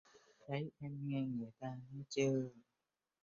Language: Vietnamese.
Đấy em nghe người ta nói chưa